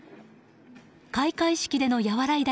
開会式での和らいだ